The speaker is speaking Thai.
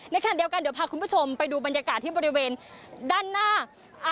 ขณะเดียวกันเดี๋ยวพาคุณผู้ชมไปดูบรรยากาศที่บริเวณด้านหน้า